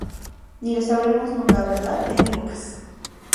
ni lo sabremos nunca, ¿ verdad? te equivocas